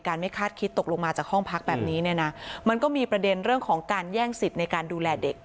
ไม่คาดคิดตกลงมาจากห้องพักแบบนี้เนี่ยนะมันก็มีประเด็นเรื่องของการแย่งสิทธิ์ในการดูแลเด็ก